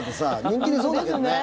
人気出そうだけどね。